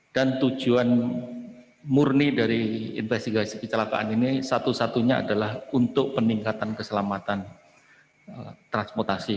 dan tujuan murni dari investigasi kecelakaan ini satu satunya adalah untuk peningkatan keselamatan transportasi